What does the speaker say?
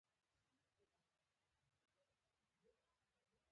زه به خپل کار په خپل وخت سرته ورسوم